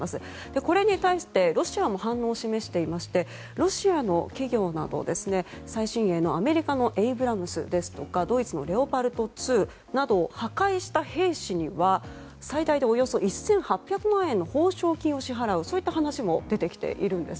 これに対してロシアも反応を示していましてロシアの企業など、最新鋭のアメリカのエイブラムスですとかドイツのレオパルト２などを破壊した兵士には最大でおよそ１８００万円の報奨金を支払うそういった話も出てきているんです。